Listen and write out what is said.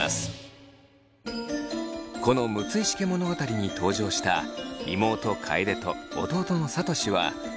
この「六石家物語」に登場した妹楓と弟の聡は「それゆけ！